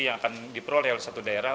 yang akan diperoleh oleh satu daerah